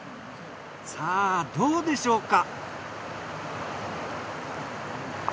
さぁどうでしょうか？